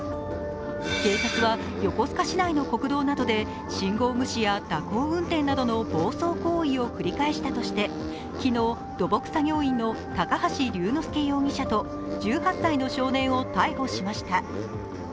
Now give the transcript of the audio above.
警察は横須賀市内の国道などで信号無視や蛇行運転などの暴走行為を繰り返したとして昨日、土木作業員の高橋隆之介容疑者と１８歳の少年を逮捕しました。